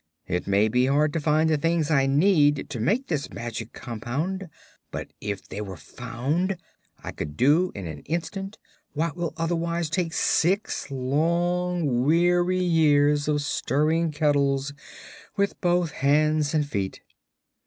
"It may be hard to find the things I need to make this magic compound, but if they were found I could do in an instant what will otherwise take six long, weary years of stirring kettles with both hands and both feet."